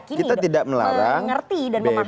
kita tidak melarang ngerti dan memahami